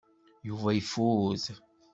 Yuba ifud.